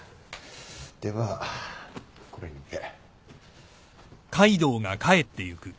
ではこれにて。